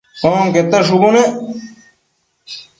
onquete shubu nec